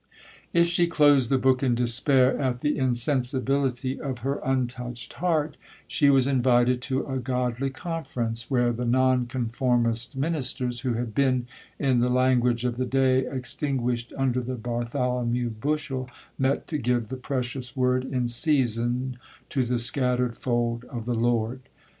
If she closed the book in despair at the insensibility of her untouched heart, she was invited to a godly conference, where the non conformist ministers, who had been, in the language of the day, extinguished under the Bartholomew bushel,1 met to give the precious word in season to the scattered fold of the Lord.